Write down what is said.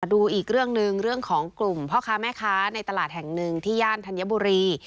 ดูอีกเรื่องหนึ่งเรื่องของกลุ่มพ่อค้าแม่ค้าในตลาดแห่งหนึ่งที่ย่านธัญบุรี